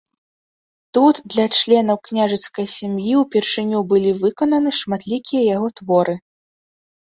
Тут для членаў княжацкай сям'і ўпершыню былі выкананы шматлікія яго творы.